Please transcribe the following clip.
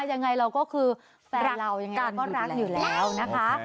ยังไงเราก็คือแฟนเรายังไงกาก็รักอยู่แล้วนะคะ